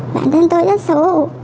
bản thân tôi rất xấu